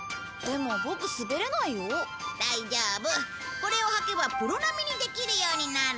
これを履けばプロ並みにできるようになる。